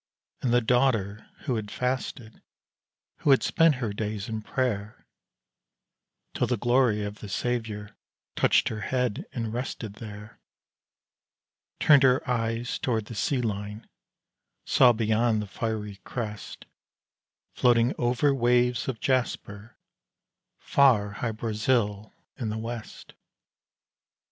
And the daughter, who had fasted, who had spent her days in prayer, Till the glory of the Saviour touched her head and rested there, Turned her eyes towards the sea line saw beyond the fiery crest, Floating over waves of jasper, far Hy Brasil in the west.